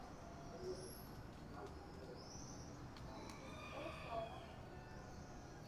Nnyazaala wa Nabukenya muyombi nnyo.